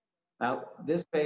panggilan ini memiliki